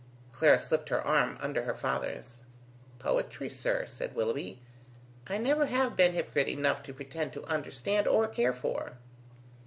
Clara slipped her arm under her father's. "Poetry, sir," said Willoughby, "I never have been hypocrite enough to pretend to understand or care for."